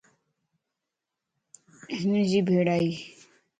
ھن جي ڀيڙائي؟